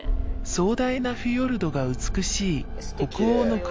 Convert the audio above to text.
壮大なフィヨルドが美しい北欧の国